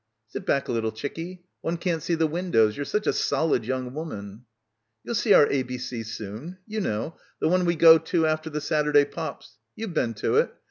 "Sit back a little, chickie. One can't see the windows. You're such a solid young woman." "You'll see our ABC soon. You know. The one we go to after the Saturday pops. You've been to it.